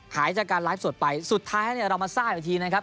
หายจากการไลฟ์สดไปสุดท้ายเรามาซ่ายหน่อยทีนะครับ